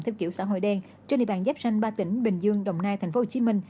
theo kiểu xã hội đen trên địa bàn dắp xanh ba tỉnh bình dương đồng nai tp hcm